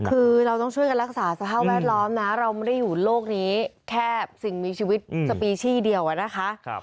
คือเราต้องช่วยกันรักษาสภาพแวดล้อมนะเราไม่ได้อยู่โลกนี้แค่สิ่งมีชีวิตสปีชี่เดียวอะนะคะ